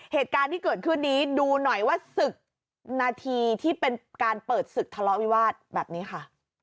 เหตุการณ์ที่เกิดขึ้นนี้ดูหน่อยว่าศึกนาทีที่เป็นการเปิดศึกทะเลาะวิวาสแบบนี้ค่ะ